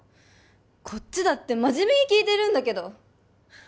こっちだって真面目に聞いてるんだけど！